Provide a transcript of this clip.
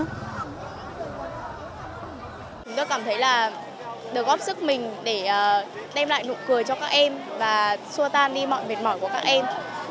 chúng tôi cảm thấy là được góp sức mình để đem lại nụ cười cho các em và xua tan đi mọi mệt mỏi của các em